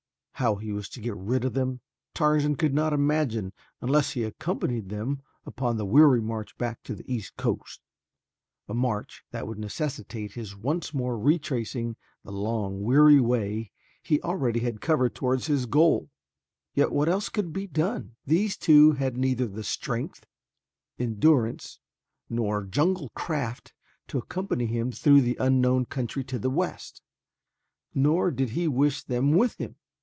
How he was to get rid of them Tarzan could not imagine unless he accompanied them upon the weary march back to the east coast, a march that would necessitate his once more retracing the long, weary way he already had covered towards his goal, yet what else could be done? These two had neither the strength, endurance, nor jungle craft to accompany him through the unknown country to the west, nor did he wish them with him.